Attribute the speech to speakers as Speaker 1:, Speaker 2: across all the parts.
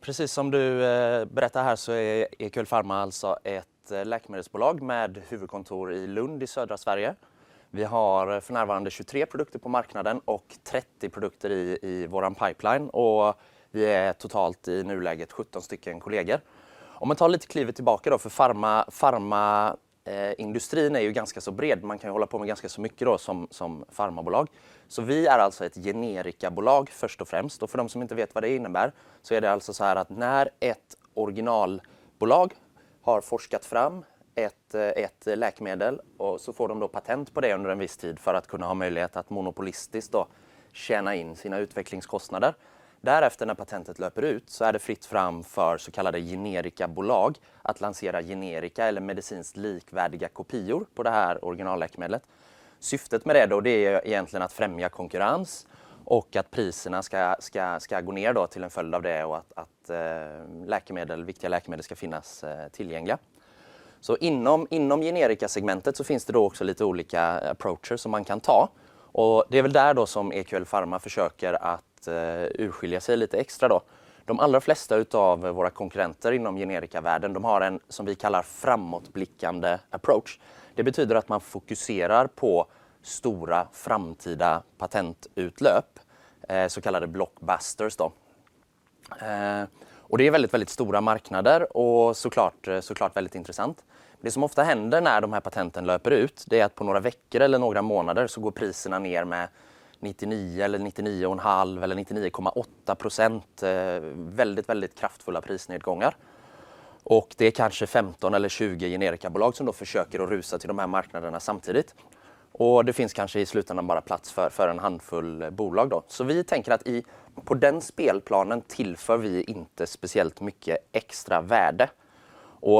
Speaker 1: Precis som du berättar här så är EQL Pharma alltså ett läkemedelsbolag med huvudkontor i Lund i södra Sverige. Vi har för närvarande 23 produkter på marknaden och 30 produkter i vår pipeline. Vi är totalt i nuläget 17 stycken kollegor. Om man tar lite klivet tillbaka då för pharma, pharmaindustrin är ju ganska så bred. Man kan ju hålla på med ganska så mycket då som pharmabolag. Vi är alltså ett generikabolag först och främst. För de som inte vet vad det innebär så är det alltså såhär att när ett originalbolag har forskat fram ett läkemedel så får de då patent på det under en viss tid för att kunna ha möjlighet att monopolistiskt då tjäna in sina utvecklingskostnader. Därefter när patentet löper ut är det fritt fram för så kallade generikabolag att lansera generika eller medicinskt likvärdiga kopior på det här originalläkemedlet. Syftet med det det är egentligen att främja konkurrens och att priserna ska gå ner då till en följd av det och att läkemedel, viktiga läkemedel ska finnas tillgängliga. Inom generikasegmentet finns det då också lite olika approaches som man kan ta. Det är väl där då som EQL Pharma försöker att urskilja sig lite extra då. De allra flesta av våra konkurrenter inom generikavärlden, de har en som vi kallar framåtblickande approach. Det betyder att man fokuserar på stora framtida patentutlöp, så kallade blockbusters då. Det är väldigt stora marknader och så klart väldigt intressant. Det som ofta händer när de här patenten löper ut, det är att på några veckor eller några månader så går priserna ner med 99 eller 99.5 eller 99.8%. Väldigt, väldigt kraftfulla prisnedgångar. Det är kanske 15 eller 20 generikabolag som då försöker att rusa till de här marknaderna samtidigt. Det finns kanske i slutändan bara plats för en handfull bolag då. Vi tänker att i på den spelplanen tillför vi inte speciellt mycket extra värde.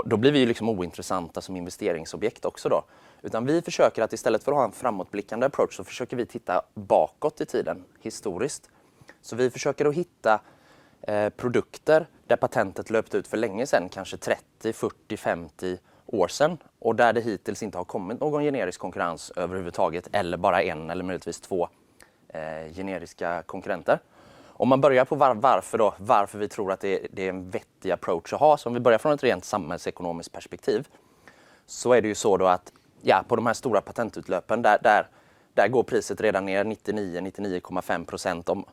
Speaker 1: Då blir vi ju liksom ointressanta som investeringsobjekt också då. Utan vi försöker att istället för att ha en framåtblickande approach så försöker vi titta bakåt i tiden historiskt. Vi försöker att hitta produkter där patentet löpte ut för länge sedan, kanske 30, 40, 50 år sedan och där det hittills inte har kommit någon generisk konkurrens överhuvudtaget eller bara en eller möjligtvis two generiska konkurrenter. Om man börjar på varför då, varför vi tror att det är en vettig approach att ha. Om vi börjar från ett rent samhällsekonomiskt perspektiv så är det ju så då att ja på de här stora patentutlöpen, där går priset redan ner 99.5%. Om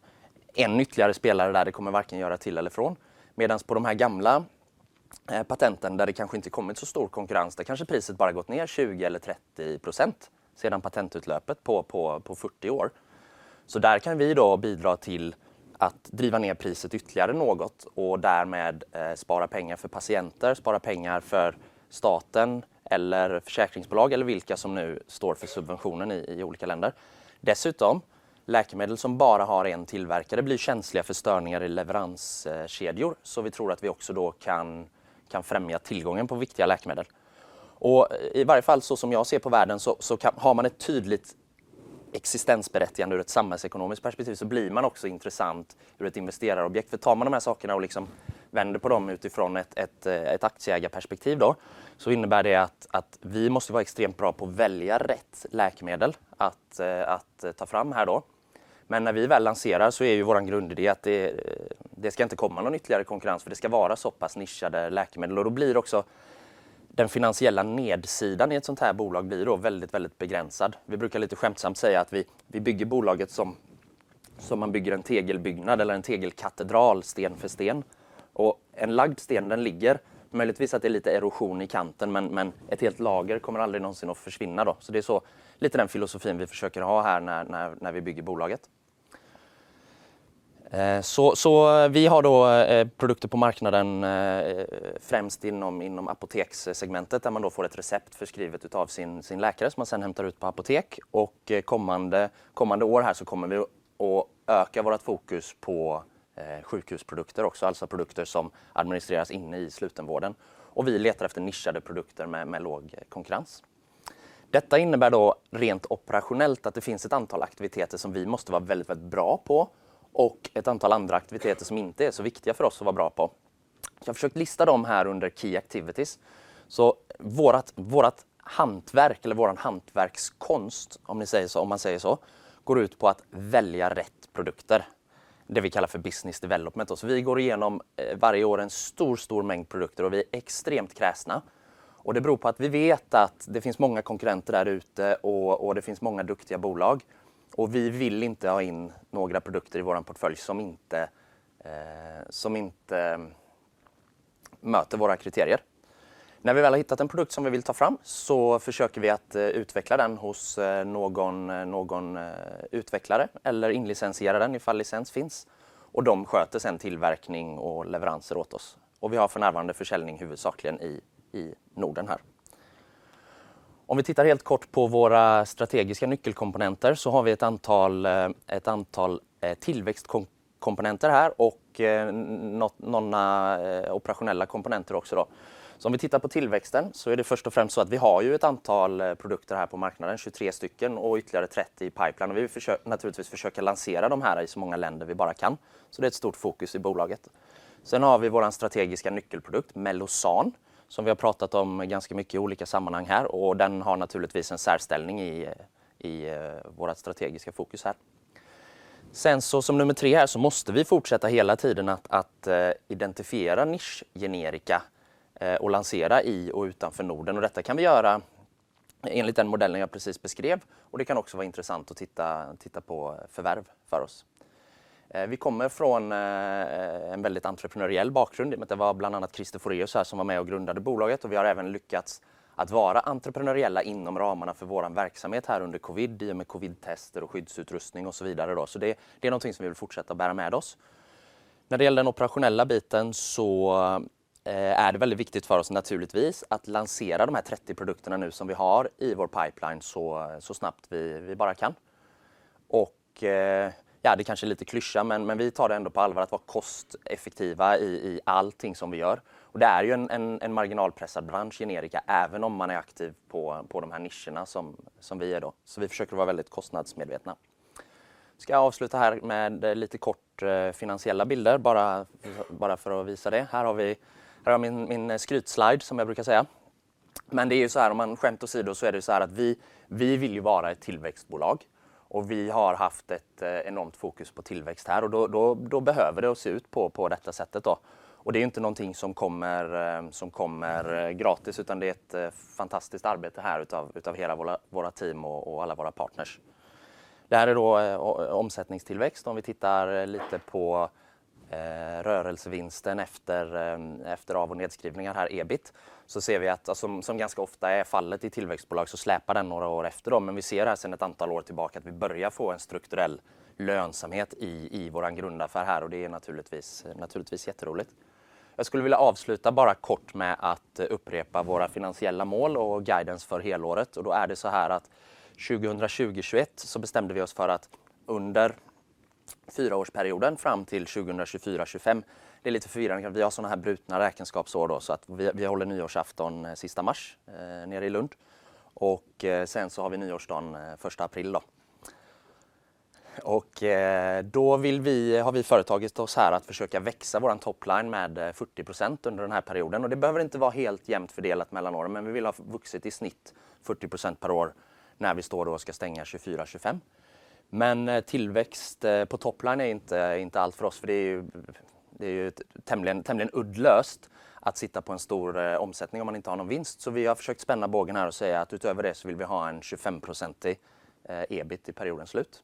Speaker 1: en ytterligare spelare där, det kommer varken göra till eller från. Medans på de här gamla patenten där det kanske inte kommit så stor konkurrens, där kanske priset bara gått ner 20% eller 30% sedan patentutlöpet på 40 år. Där kan vi då bidra till att driva ner priset ytterligare något och därmed spara pengar för patienter, spara pengar för staten eller försäkringsbolag eller vilka som nu står för subventionen i olika länder. Dessutom, läkemedel som bara har en tillverkare blir känsliga för störningar i leveranskedjor. Vi tror att vi också då kan främja tillgången på viktiga läkemedel. I varje fall så som jag ser på världen så har man ett tydligt existensberättigande ur ett samhällsekonomiskt perspektiv så blir man också intressant ur ett investerarobjekt. Tar man de här sakerna och liksom vänder på dem utifrån ett aktieägarperspektiv då, innebär det att vi måste vara extremt bra på att välja rätt läkemedel att ta fram här då. När vi väl lanserar så är ju vår grundidé att det ska inte komma någon ytterligare konkurrens för det ska vara så pass nischade läkemedel. Då blir också den finansiella nedsidan i ett sånt här bolag blir då väldigt begränsad. Vi brukar lite skämtsamt säga att vi bygger bolaget som man bygger en tegelbyggnad eller en tegelkatedral, sten för sten. En lagd sten, den ligger. Möjligtvis att det är lite erosion i kanten, men ett helt lager kommer aldrig någonsin att försvinna då. Det är så lite den filosofin vi försöker ha här när vi bygger bolaget. Vi har då produkter på marknaden främst inom apotekssegmentet där man då får ett recept förskrivet utav sin läkare som man sen hämtar ut på apotek. Kommande år här så kommer vi att öka vårt fokus på sjukhusprodukter också. Alltså produkter som administreras inne i slutenvården. Vi letar efter nischade produkter med låg konkurrens. Detta innebär då rent operationellt att det finns ett antal aktiviteter som vi måste vara väldigt bra på och ett antal andra aktiviteter som inte är så viktiga för oss att vara bra på. Jag har försökt lista dem här under Key Activities. Vårat hantverk eller våran hantverkskonst, om ni säger så, om man säger så, går ut på att välja rätt produkter. Det vi kallar för business development. Vi går igenom varje år en stor mängd produkter och vi är extremt kräsna. Det beror på att vi vet att det finns många konkurrenter där ute och det finns många duktiga bolag. Vi vill inte ha in några produkter i vår portfölj som inte som inte möter våra kriterier. När vi väl har hittat en produkt som vi vill ta fram så försöker vi att utveckla den hos någon utvecklare eller inlicensiera den ifall licens finns och de sköter sen tillverkning och leveranser åt oss. Vi har för närvarande försäljning huvudsakligen i Norden här. Om vi tittar helt kort på våra strategiska nyckelkomponenter så har vi ett antal tillväxtkomponenter här och några operationella komponenter också då. Om vi tittar på tillväxten så är det först och främst så att vi har ju ett antal produkter här på marknaden, 23 stycken och ytterligare 30 i pipeline. Vi vill naturligtvis försöka lansera de här i så många länder vi bara kan. Det är ett stort fokus i bolaget. Sen har vi våran strategiska nyckelprodukt Mellozzan som vi har pratat om ganska mycket i olika sammanhang här och den har naturligtvis en särställning i vårt strategiska fokus här. Som nummer tre här måste vi fortsätta hela tiden att identifiera nischgenerika och lansera i och utanför Norden. Detta kan vi göra enligt den modellen jag precis beskrev och det kan också vara intressant att titta på förvärv för oss. Vi kommer från en väldigt entreprenöriell bakgrund. Det var bland annat Christer Fåhraeus här som var med och grundade bolaget och vi har även lyckats att vara entreprenöriella inom ramarna för vår verksamhet här under Covid i och med covidtester och skyddsutrustning och så vidare då. Det är någonting som vi vill fortsätta att bära med oss. När det gäller den operationella biten är det väldigt viktigt för oss naturligtvis att lansera de här 30 produkterna nu som vi har i vår pipeline så snabbt vi bara kan. Ja, det kanske är lite klyscha, men vi tar det ändå på allvar att vara kosteffektiva i allting som vi gör. Det är ju en marginalpressad bransch generika, även om man är aktiv på de här nischerna som vi är då. Vi försöker vara väldigt kostnadsmedvetna. Ska jag avsluta här med lite kort finansiella bilder bara för att visa det. Här har vi min skrytslide som jag brukar säga. Det är ju såhär om man skämt åsido så är det ju såhär att vi vill ju vara ett tillväxtbolag och vi har haft ett enormt fokus på tillväxt här och då behöver det se ut på detta sättet då. Det är inte någonting som kommer gratis, utan det är ett fantastiskt arbete här utav hela våra team och alla våra partners. Det här är då omsättningstillväxt. Om vi tittar lite på rörelsevinsten efter av- och nedskrivningar här EBIT så ser vi att, som ganska ofta är fallet i tillväxtbolag, så släpar den några år efter dem. Vi ser här sedan ett antal år tillbaka att vi börjar få en strukturell lönsamhet i vår grundaffär här och det är naturligtvis jätteroligt. Jag skulle vilja avsluta bara kort med att upprepa våra finansiella mål och guidance för helåret. Det är såhär att 2020, 2021 bestämde vi oss för att under 4-årsperioden fram till 2024, 2025. Det är lite förvirrande. Vi har sådana här brutna räkenskapsår då. Vi håller nyårsafton sista mars nere i Lund och Sen har vi nyårsdagen första april då. Vi vill, har vi företagit oss här att försöka växa vår topline med 40% under den här perioden. Det behöver inte vara helt jämnt fördelat mellan åren, men vi vill ha vuxit i snitt 40% per år när vi står och ska stänga 2024, 2025. Tillväxt på topline är inte allt för oss för det är ju tämligen uddlöst att sitta på en stor omsättning om man inte har någon vinst. Vi har försökt spänna bågen här och säga att utöver det så vill vi ha en 25% EBIT i periodens slut.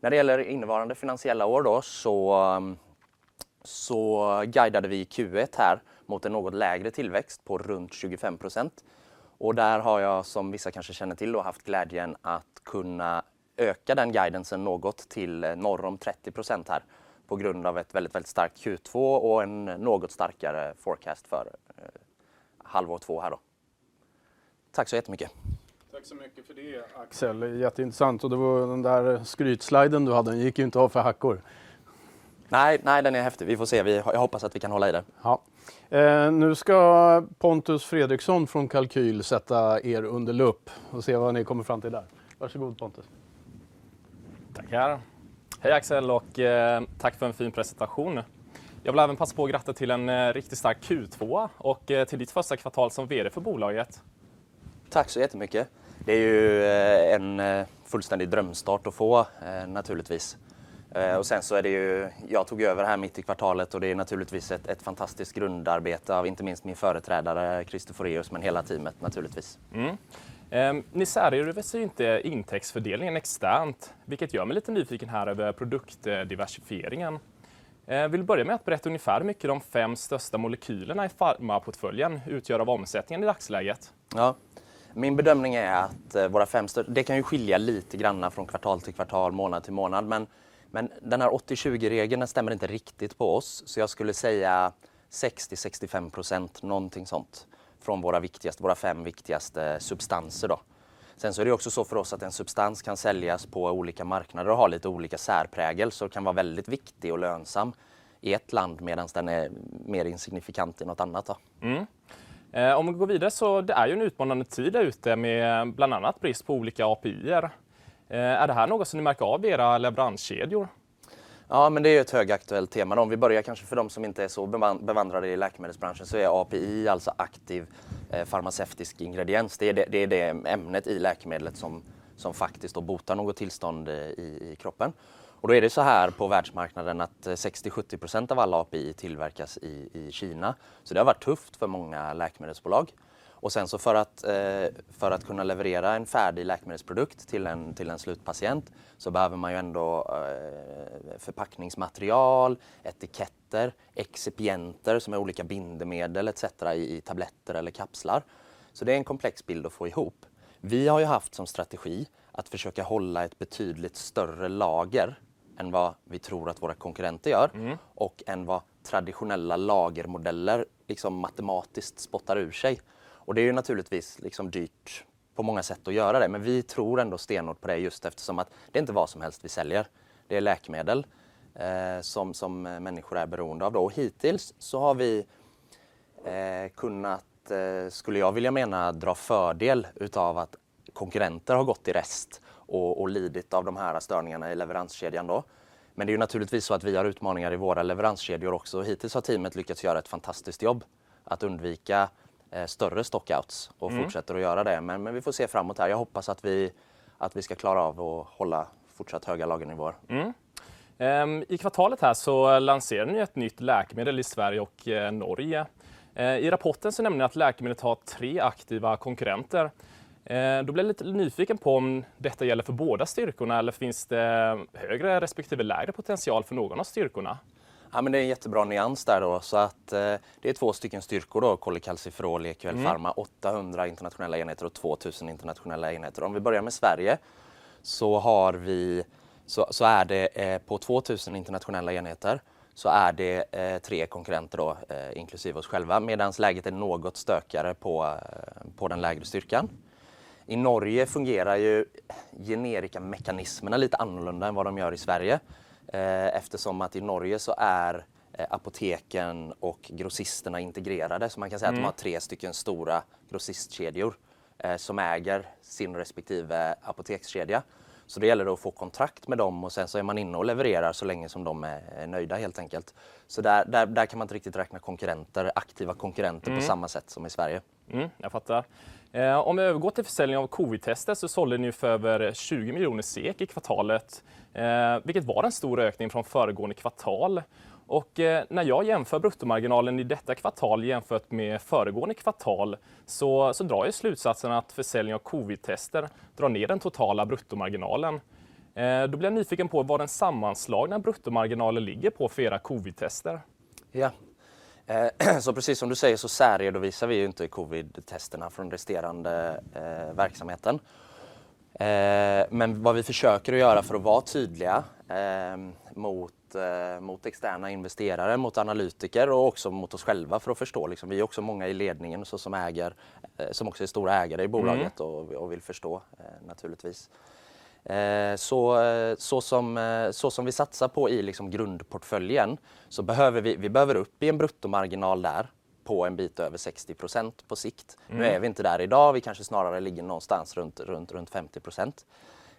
Speaker 1: När det gäller innevarande finansiella år då så guidade vi Q1 här mot en något lägre tillväxt på runt 25%. Där har jag, som vissa kanske känner till då, haft glädjen att kunna öka den guidance något till norr om 30% här på grund av ett väldigt starkt Q2 och en något starkare forecast för halvår 2 här då. Tack så jättemycket.
Speaker 2: Tack så mycket för det, Axel. Jätteintressant. Det var den där skrytsliden du hade. Den gick ju inte av för hackor.
Speaker 1: Nej, nej, den är häftig. Vi får se. Jag hoppas att vi kan hålla i den.
Speaker 2: Ja. Nu ska Pontus Fredriksson från Kalqyl sätta er under lupp och se vad ni kommer fram till där. Varsågod, Pontus.
Speaker 3: Tackar. Hej Axel och tack för en fin presentation. Jag vill även passa på att gratta till en riktigt stark Q2 och till ditt första kvartal som vd för bolaget.
Speaker 1: Tack så jättemycket. Det är ju en fullständig drömstart att få naturligtvis. Sen så är det ju, jag tog över här mitt i kvartalet och det är naturligtvis ett fantastiskt grundarbete av inte minst min företrädare Christer Fåhraeus, men hela teamet naturligtvis.
Speaker 3: Ni särredovisar ju inte intäktsfördelningen externt, vilket gör mig lite nyfiken här över produktdiversifieringen. Vill du börja med att berätta ungefär hur mycket de fem största molekylerna i pharmaportföljen utgör av omsättningen i dagsläget?
Speaker 1: Min bedömning är att våra five stör... Det kan ju skilja lite grann från kvartal till kvartal, månad till månad. Den här 80/20-regeln stämmer inte riktigt på oss. Jag skulle säga 60-65%, någonting sånt, från våra viktigaste, våra five viktigaste substanser då. Det är också så för oss att en substans kan säljas på olika marknader och ha lite olika särprägel. Kan vara väldigt viktig och lönsam i ett land medans den är mer insignifikant i något annat då.
Speaker 3: Mm. Om vi går vidare, det är ju en utmanande tid där ute med bland annat brist på olika APIer. Är det här något som ni märker av i era leveranskedjor?
Speaker 1: Det är ett högaktuellt tema. Vi börjar kanske för de som inte är så bevandrade i läkemedelsbranschen så är API alltså aktiv farmaceutisk ingrediens. Det är det ämnet i läkemedlet som faktiskt då botar något tillstånd i kroppen. Då är det såhär på världsmarknaden att 60%, 70% av alla API tillverkas i Kina. Det har varit tufft för många läkemedelsbolag. Sen för att kunna leverera en färdig läkemedelsprodukt till en slutpatient så behöver man ju ändå förpackningsmaterial, etiketter, excipienter som är olika bindemedel et cetera i tabletter eller kapslar. Det är en komplex bild att få ihop. Vi har ju haft som strategi att försöka hålla ett betydligt större lager än vad vi tror att våra konkurrenter gör.
Speaker 3: Mm.
Speaker 1: Än vad traditionella lagermodeller liksom matematiskt spottar ur sig. Det är ju naturligtvis liksom dyrt på många sätt att göra det. Vi tror ändå stenhårt på det just eftersom att det är inte vad som helst vi säljer. Det är läkemedel som människor är beroende av då. Hittills så har vi skulle jag vilja mena dra fördel utav att konkurrenter har gått i rest och lidit av de här störningarna i leveranskedjan då. Det är naturligtvis så att vi har utmaningar i våra leveranskedjor också. Hittills har teamet lyckats göra ett fantastiskt jobb att undvika större stock outs och fortsätter att göra det. Vi får se framåt här. Jag hoppas att vi ska klara av att hålla fortsatt höga lagernivåer.
Speaker 3: I kvartalet här lanserar ni ett nytt läkemedel i Sverige och Norge. I rapporten nämner ni att läkemedlet har tre aktiva konkurrenter. Jag blev lite nyfiken på om detta gäller för båda styrkorna eller finns det högre respektive lägre potential för någon av styrkorna?
Speaker 1: Men det är en jättebra nyans där då. Att det är 2 stycken styrkor då av Kolekalciferol EQL Pharma, 800 internationella enheter och 2,000 internationella enheter. Om vi börjar med Sverige så har vi, så är det på 2,000 internationella enheter så är det 3 konkurrenter inklusive oss själva, medans läget är något stökigare på den lägre styrkan. I Norge fungerar ju generikamekanismerna lite annorlunda än vad de gör i Sverige. Eftersom att i Norge så är apoteken och grossisterna integrerade. Man kan säga att de har 3 stycken stora grossistkedjor som äger sin respektive apotekskedja. Det gäller att få kontrakt med dem och sen så är man inne och levererar så länge som de är nöjda helt enkelt. Där, där kan man inte riktigt räkna konkurrenter, aktiva konkurrenter på samma sätt som i Sverige.
Speaker 3: Jag fattar. Om vi övergår till försäljning av covidtester så sålde ni för över 20 million SEK i kvartalet, vilket var en stor ökning från föregående kvartal. När jag jämför bruttomarginalen i detta kvartal jämfört med föregående kvartal så drar jag slutsatsen att försäljning av covidtester drar ner den totala bruttomarginalen. Då blev jag nyfiken på vad den sammanslagna bruttomarginalen ligger på för era covidtester.
Speaker 1: Precis som du säger så särredovisar vi inte Covidtesterna från resterande verksamheten. Vad vi försöker att göra för att vara tydliga mot externa investerare, mot analytiker och också mot oss själva för att förstå. Vi är också många i ledningen som äger, som också är stora ägare i bolaget och vill förstå naturligtvis. Som vi satsar på i grundportföljen så behöver vi upp i en bruttomarginal där på en bit över 60% på sikt. Nu är vi inte där i dag, vi kanske snarare ligger någonstans runt 50%.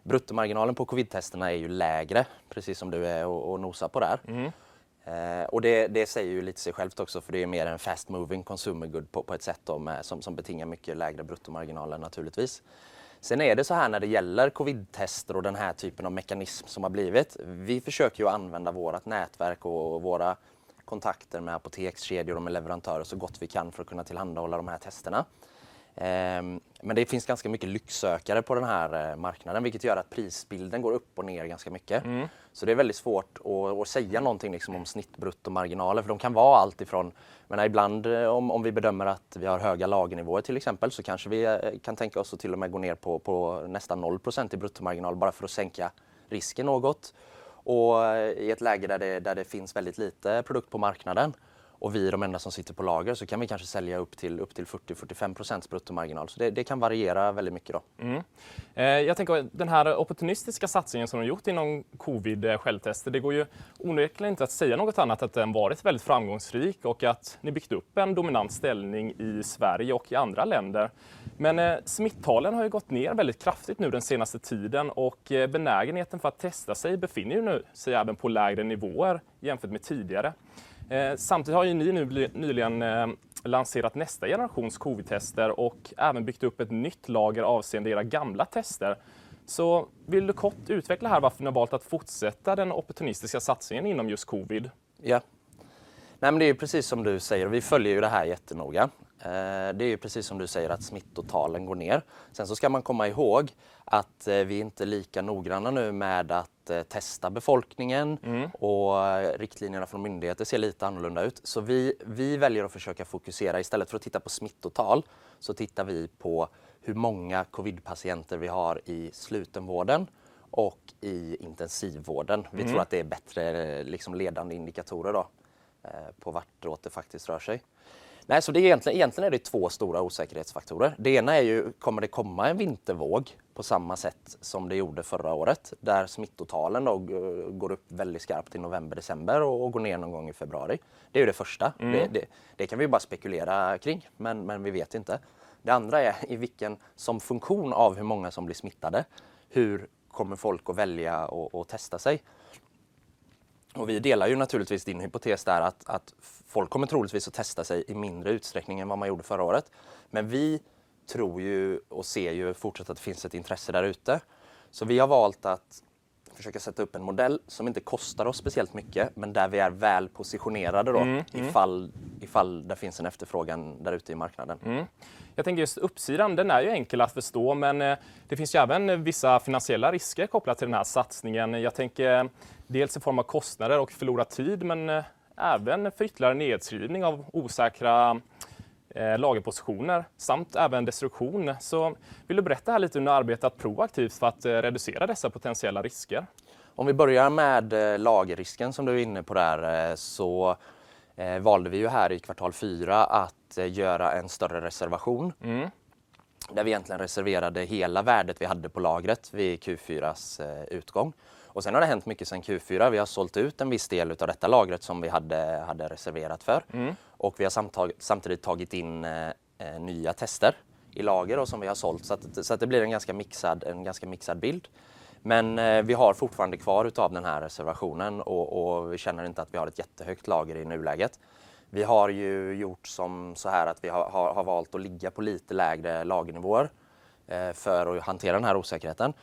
Speaker 1: Bruttomarginalen på Covidtesterna är ju lägre, precis som du är och nosar på där. Det säger ju lite sig självt också för det är mer en fast moving consumer good på ett sätt då med, som betingar mycket lägre bruttomarginaler naturligtvis. Det är såhär när det gäller Covidtester och den här typen av mekanism som har blivit. Vi försöker ju använda vårt nätverk och våra kontakter med apotekskedjor, de är leverantörer så gott vi kan för att kunna tillhandahålla de här testerna. Det finns ganska mycket lycksökare på den här marknaden, vilket gör att prisbilden går upp och ner ganska mycket. Det är väldigt svårt att säga någonting liksom om snittbruttomarginaler. De kan vara allt ifrån, men ibland om vi bedömer att vi har höga lagernivåer till exempel, så kanske vi kan tänka oss att till och med gå ner på nästan 0% i bruttomarginal bara för att sänka risken något. I ett läge där det finns väldigt lite produkt på marknaden och vi är de enda som sitter på lager så kan vi kanske sälja upp till 40-45% bruttomarginal. Det kan variera väldigt mycket då.
Speaker 3: Jag tänker den här opportunistiska satsningen som ni gjort inom Covid självtester, det går ju onekligen inte att säga något annat än att den varit väldigt framgångsrik och att ni byggt upp en dominant ställning i Sverige och i andra länder. Smittalen har ju gått ner väldigt kraftigt nu den senaste tiden och benägenheten för att testa sig befinner ju nu sig även på lägre nivåer jämfört med tidigare. Samtidigt har ju ni nu nyligen lanserat nästa generations Covidtester och även byggt upp ett nytt lager avseende era gamla tester. Vill du kort utveckla här varför ni har valt att fortsätta den opportunistiska satsningen inom just Covid?
Speaker 1: Det är precis som du säger. Vi följer ju det här jättenoga. Det är precis som du säger att smittotalen går ner. Man ska komma ihåg att vi är inte lika noggranna nu med att testa befolkningen och riktlinjerna från myndigheter ser lite annorlunda ut. Vi väljer att försöka fokusera istället för att titta på smittotal. Vi tittar på hur många covidpatienter vi har i slutenvården och i intensivvården. Vi tror att det är bättre, liksom ledande indikatorer då på vartåt det faktiskt rör sig. Det egentligen är 2 stora osäkerhetsfaktorer. Det ena är ju, kommer det komma en vintervåg på samma sätt som det gjorde förra året? Där smittotalen då går upp väldigt skarpt i november, december och går ner någon gång i februari. Det är ju det första. Det kan vi bara spekulera kring, men vi vet inte. Det andra är i vilken som funktion av hur många som blir smittade, hur kommer folk att välja och testa sig? Vi delar ju naturligtvis din hypotes där att folk kommer troligtvis att testa sig i mindre utsträckning än vad man gjorde förra året. Vi tror ju och ser ju fortsatt att det finns ett intresse där ute. Vi har valt att försöka sätta upp en modell som inte kostar oss speciellt mycket, men där vi är väl positionerade då ifall det finns en efterfrågan där ute i marknaden.
Speaker 3: Mm. Jag tänker just uppsidan, den är ju enkel att förstå, men det finns ju även vissa finansiella risker kopplat till den här satsningen. Jag tänker dels i form av kostnader och förlorad tid, men även för ytterligare nedskrivning av osäkra lagerpositioner samt även destruktion. Vill du berätta här lite hur ni har arbetat proaktivt för att reducera dessa potentiella risker?
Speaker 1: Om vi börjar med lagerrisken som du är inne på där, så valde vi ju här i kvartal 4 att göra en större reservation.
Speaker 3: Mm.
Speaker 1: Där vi egentligen reserverade hela värdet vi hade på lagret vid Q4:s utgång. Sen har det hänt mycket sedan Q4. Vi har sålt ut en viss del av detta lagret som vi hade reserverat för. Vi har samtidigt tagit in nya tester i lager och som vi har sålt. Det blir en ganska mixad, en ganska mixad bild. Vi har fortfarande kvar utav den här reservationen och vi känner inte att vi har ett jättehögt lager i nuläget. Vi har ju gjort som såhär att vi har valt att ligga på lite lägre lagernivåer för att hantera den här osäkerheten.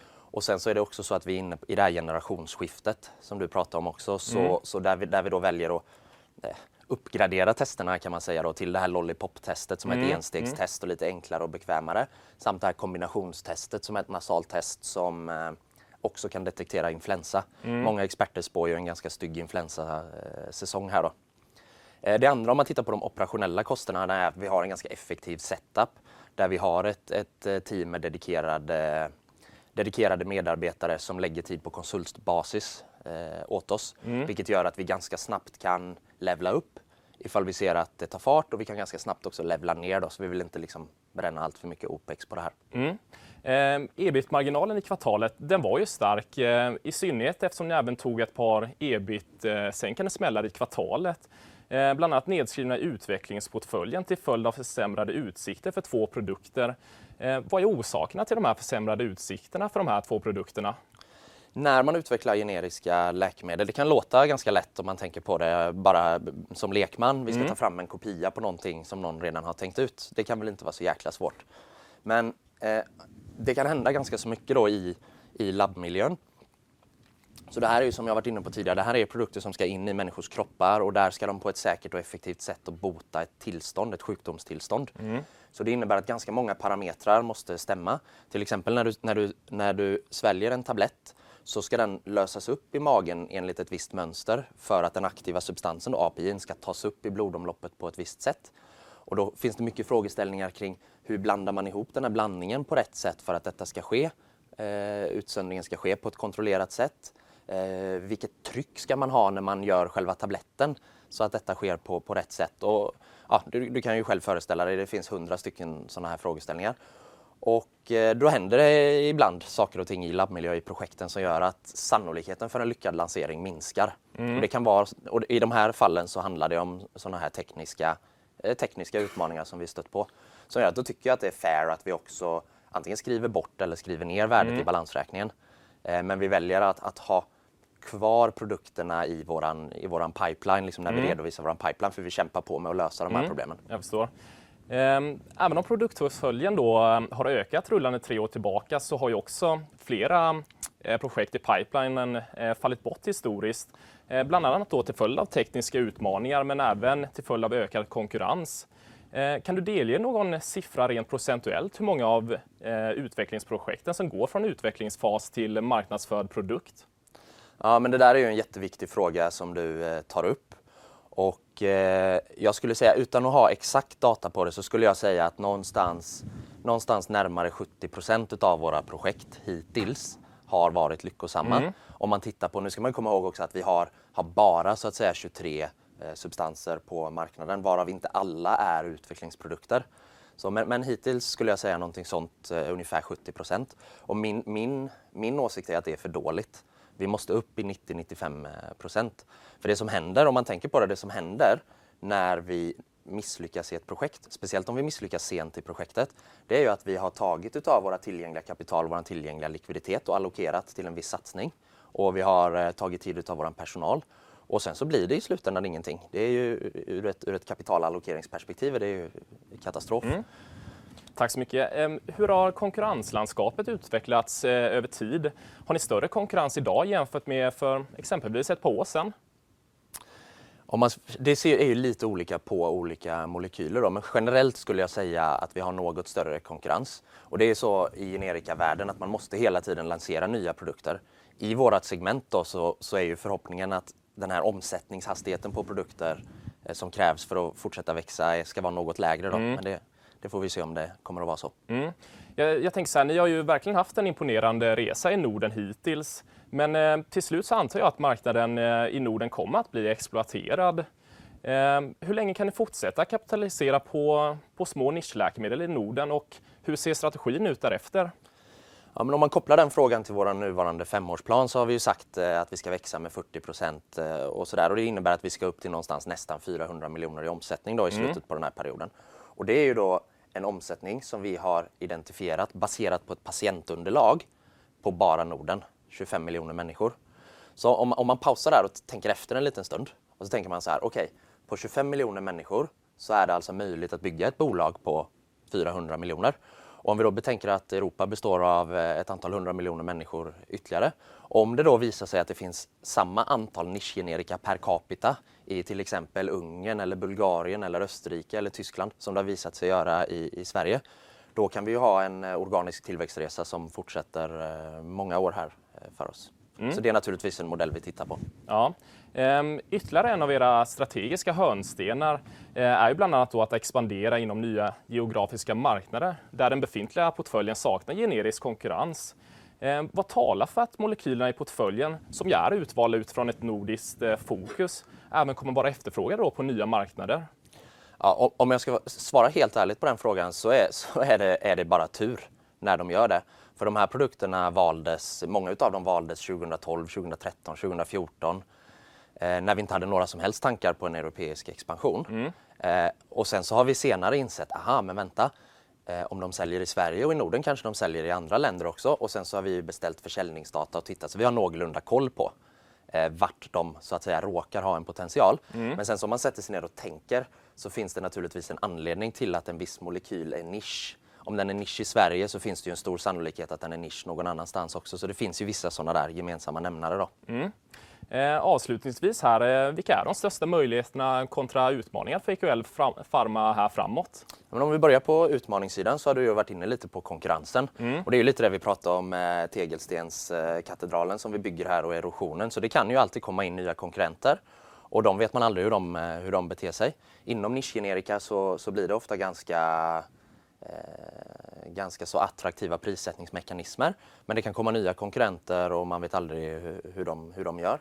Speaker 1: Sen så är det också så att vi är inne i det här generationsskiftet som du pratar om också. Där vi då väljer att uppgradera testerna kan man säga då till det här Lollipop testet som är ett enstegstest och lite enklare och bekvämare. Samt det här kombinationstestet som är ett nasaltest som också kan detektera influensa. Många experter spår ju en ganska stygg influensa säsong här då. Det andra, om man tittar på de operationella kostnaderna är att vi har ett team med dedikerade medarbetare som lägger tid på konsultbasis åt oss, vilket gör att vi ganska snabbt kan levla upp ifall vi ser att det tar fart och vi kan ganska snabbt också levla ner. Vi vill inte bränna allt för mycket Opex på det här.
Speaker 3: EBIT-marginalen i kvartalet, den var ju stark, i synnerhet eftersom ni även tog ett par EBIT. Kan det smälla det i kvartalet, bland annat nedskrivna i utvecklingsportföljen till följd av försämrade utsikter för två produkter. Vad är orsakerna till de här försämrade utsikterna för de här två produkterna?
Speaker 1: När man utvecklar generiska läkemedel, det kan låta ganska lätt om man tänker på det bara som lekman. Vi ska ta fram en kopia på någonting som någon redan har tänkt ut. Det kan väl inte vara så jäkla svårt. Det kan hända ganska så mycket då i labbmiljön. Det här är ju som jag varit inne på tidigare, det här är produkter som ska in i människors kroppar och där ska de på ett säkert och effektivt sätt bota ett tillstånd, ett sjukdomstillstånd. Det innebär att ganska många parametrar måste stämma. Till exempel, när du sväljer en tablett så ska den lösas upp i magen enligt ett visst mönster för att den aktiva substansen, API:n, ska tas upp i blodomloppet på ett visst sätt. Då finns det mycket frågeställningar kring hur blandar man ihop den här blandningen på rätt sätt för att detta ska ske? Utsöndringen ska ske på ett kontrollerat sätt. Vilket tryck ska man ha när man gör själva tabletten så att detta sker på rätt sätt? Ja, du kan ju själv föreställa dig, det finns 100 stycken sådana här frågeställningar. Då händer det ibland saker och ting i labbmiljö i projekten som gör att sannolikheten för en lyckad lansering minskar. I de här fallen så handlar det om sådana här tekniska utmaningar som vi stött på. Då tycker jag att det är fair att vi också antingen skriver bort eller skriver ner värdet i balansräkningen. Vi väljer att ha kvar produkterna i våran pipeline, liksom när vi redovisar våran pipeline, för vi kämpar på med att lösa de här problemen.
Speaker 3: Jag förstår. Även om produktportföljen då har ökat rullande tre år tillbaka så har ju också flera projekt i pipelinen fallit bort historiskt. Bland annat då till följd av tekniska utmaningar men även till följd av ökad konkurrens. Kan du delge någon siffra rent procentuellt hur många av utvecklingsprojekten som går från utvecklingsfas till marknadsförd produkt?
Speaker 1: Det där är ju en jätteviktig fråga som du tar upp. Jag skulle säga utan att ha exakt data på det, så skulle jag säga att någonstans närmare 70% utav våra projekt hittills har varit lyckosamma. Om man tittar på, nu ska man komma ihåg också att vi har bara så att säga 23 substanser på marknaden, varav inte alla är utvecklingsprodukter. Hittills skulle jag säga någonting sånt, ungefär 70%. Min åsikt är att det är för dåligt. Vi måste upp i 90%-95%. Det som händer om man tänker på det som händer när vi misslyckas i ett projekt, speciellt om vi misslyckas sent i projektet, det är ju att vi har tagit utav våra tillgängliga kapital, vår tillgängliga likviditet och allokerat till en viss satsning. Vi har tagit tid utav vår personal och sen så blir det i slutändan ingenting. Det är ju ur ett kapitalallokeringsperspektiv, det är ju katastrof.
Speaker 3: Tack så mycket. Hur har konkurrenslandskapet utvecklats över tid? Har ni större konkurrens i dag jämfört med för exempelvis ett par år sedan?
Speaker 1: Om man, det är ju lite olika på olika molekyler då, men generellt skulle jag säga att vi har något större konkurrens. Det är så i generika världen att man måste hela tiden lansera nya produkter. I vårt segment då så är ju förhoppningen att den här omsättningshastigheten på produkter som krävs för att fortsätta växa ska vara något lägre då. Det får vi se om det kommer att vara så.
Speaker 3: Mm. Jag tänker såhär, ni har ju verkligen haft en imponerande resa i Norden hittills. Till slut så antar jag att marknaden i Norden kommer att bli exploaterad. Hur länge kan ni fortsätta kapitalisera på små nischläkemedel i Norden och hur ser strategin ut därefter?
Speaker 1: Om man kopplar den frågan till vår nuvarande femårsplan så har vi ju sagt att vi ska växa med 40% och sådär. Det innebär att vi ska upp till någonstans nästan 400 million i omsättning då i slutet på den här perioden. Det är ju då en omsättning som vi har identifierat baserat på ett patientunderlag på bara Norden, 25 million människor. Om man pausar där och tänker efter en liten stund och så tänker man såhär: Okej, på 25 million människor så är det alltså möjligt att bygga ett bolag på 400 million. Om vi då betänker att Europa består av ett antal 100 million människor ytterligare. Om det då visar sig att det finns samma antal nischgenerika per capita i till exempel Ungern eller Bulgarien eller Österrike eller Tyskland som det har visat sig göra i Sverige. Då kan vi ha en organisk tillväxtresa som fortsätter många år här för oss. Det är naturligtvis en modell vi tittar på.
Speaker 3: Ja. Ytterligare en av era strategiska hörnstenar är ju bland annat att expandera inom nya geografiska marknader där den befintliga portföljen saknar generisk konkurrens. Vad talar för att molekylerna i portföljen som är utvalda utifrån ett nordiskt fokus även kommer att vara efterfrågade på nya marknader?
Speaker 1: Om jag ska svara helt ärligt på den frågan så är det bara tur när de gör det. De här produkterna valdes, många utav dem valdes 2012, 2013, 2014 när vi inte hade några som helst tankar på en europeisk expansion. Har vi senare insett, aha men vänta, om de säljer i Sverige och i Norden kanske de säljer i andra länder också. Har vi beställt försäljningsdata och tittat. Vi har någorlunda koll på vart de så att säga råkar ha en potential. Om man sätter sig ner och tänker så finns det naturligtvis en anledning till att en viss molekyl är nisch. Om den är nisch i Sverige så finns det ju en stor sannolikhet att den är nisch någon annanstans också. Det finns ju vissa sådana där gemensamma nämnare då.
Speaker 3: Avslutningsvis här, vilka är de största möjligheterna kontra utmaningar för EQL Pharma här framåt?
Speaker 1: Om vi börjar på utmaningssidan så har du ju varit inne lite på konkurrensen. Det är ju lite det vi pratar om tegelstenskatedralen som vi bygger här och erosionen. Det kan ju alltid komma in nya konkurrenter och de vet man aldrig hur de beter sig. Inom nischgenerika så blir det ofta ganska så attraktiva prissättningsmekanismer. Det kan komma nya konkurrenter och man vet aldrig hur de gör.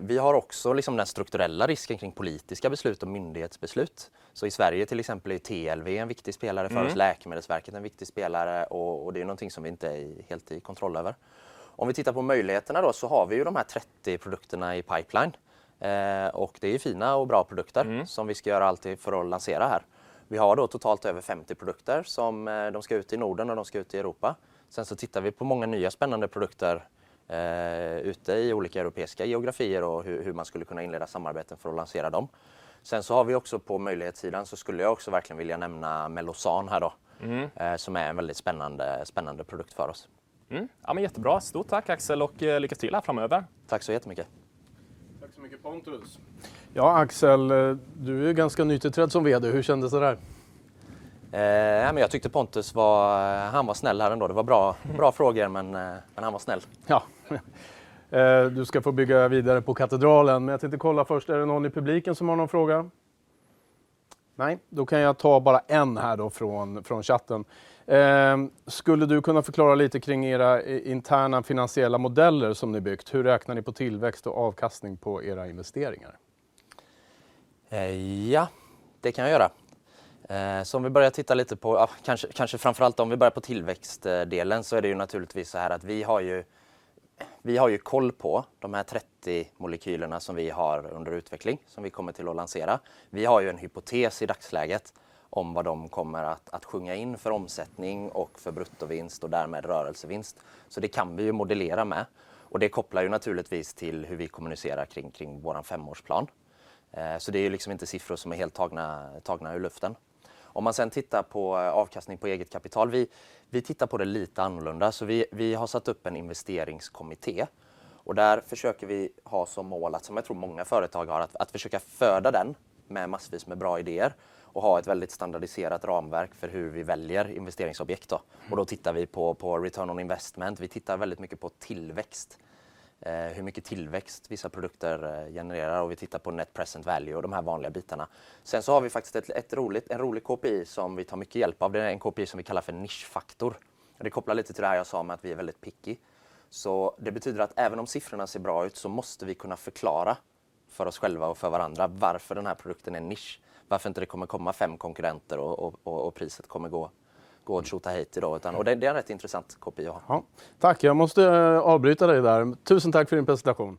Speaker 1: Vi har också liksom den strukturella risken kring politiska beslut och myndighetsbeslut. I Sverige till exempel är TLV en viktig spelare för oss, Läkemedelsverket en viktig spelare och det är någonting som vi inte är helt i kontroll över. Om vi tittar på möjligheterna då så har vi ju de här 30 produkterna i pipeline. Det är fina och bra produkter som vi ska göra allt för att lansera här. Vi har då totalt över 50 produkter som de ska ut i Norden och de ska ut i Europa. Vi tittar på många nya spännande produkter ute i olika europeiska geografier och hur man skulle kunna inleda samarbeten för att lansera dem. Vi har också på möjlighets sidan så skulle jag också verkligen vilja nämna Mellozzan här då som är en väldigt spännande produkt för oss.
Speaker 3: Jättebra. Stort tack Axel och lycka till här framöver.
Speaker 1: Tack så jättemycket.
Speaker 2: Tack så mycket Pontus. Ja Axel, du är ganska nytillträdd som vd. Hur kändes det där?
Speaker 1: jag tyckte Pontus var, han var snäll här ändå. Det var bra frågor, men han var snäll.
Speaker 2: Ja, du ska få bygga vidare på katedralen. Jag tänkte kolla först, är det någon i publiken som har någon fråga? Nej, då kan jag ta bara en här då från chatten. Skulle du kunna förklarar lite kring era interna finansiella modeller som ni byggt? Hur räknar ni på tillväxt och avkastning på era investeringar?
Speaker 1: Ja, det kan jag göra. Om vi börjar titta lite på, kanske framför allt om vi börjar på tillväxtdelen så är det ju naturligtvis såhär att vi har ju koll på de här 30 molekylerna som vi har under utveckling som vi kommer till att lansera. Vi har ju en hypotes i dagsläget om vad de kommer att sjunga in för omsättning och för bruttovinst och därmed rörelsevinst. Det kan vi ju modellera med. Det kopplar ju naturligtvis till hur vi kommunicerar kring vår femårsplan. Det är liksom inte siffror som är helt tagna ur luften. Om man sen tittar på avkastning på eget kapital. Vi tittar på det lite annorlunda. Vi har satt upp en investeringskommitté och där försöker vi ha som mål att som jag tror många företag har att försöka föda den med massvis med bra idéer och ha ett väldigt standardiserat ramverk för hur vi väljer investeringsobjekt då. Då tittar vi på return on investment. Vi tittar väldigt mycket på tillväxt, hur mycket tillväxt vissa produkter genererar och vi tittar på net present value och de här vanliga bitarna. Vi har faktiskt ett roligt, en rolig KPI som vi tar mycket hjälp av. Det är en KPI som vi kallar för nischfaktor. Det kopplar lite till det jag sa om att vi är väldigt picky. Så det betyder att även om siffrorna ser bra ut så måste vi kunna förklara för oss själva och för varandra varför den här produkten är nisch. Varför inte det kommer komma 5 konkurrenter och priset kommer gå tjotahejti då. Det är en rätt intressant KPI att ha.
Speaker 2: Tack, jag måste avbryta dig där. Tusen tack för din presentation.